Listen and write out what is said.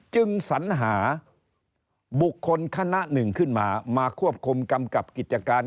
สัญหาบุคคลคณะหนึ่งขึ้นมามาควบคุมกำกับกิจการ